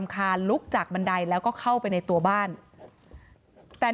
นายสาราวุธคนก่อเหตุอยู่ที่บ้านกับนางสาวสุกัญญาก็คือภรรยาเขาอะนะคะ